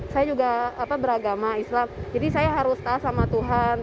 saya juga beragama islam jadi saya harus tah sama tuhan